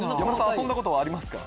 遊んだことはありますか？